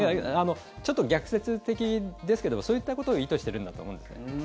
ちょっと逆説的ですけどもそういったことを意図しているんだと思うんですけどね。